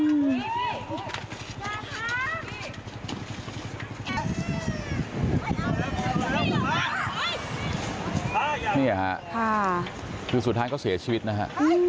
คือนี่ค่ะสุดท้ายก็เสียชีวิตนะฮะ